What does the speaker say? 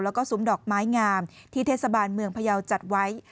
แล้วก็ซุ้มดอกไม้งามที่เทศบาลเมืองพยาวจัดไว้